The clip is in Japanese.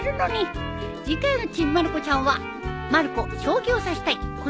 次回の『ちびまる子ちゃん』は。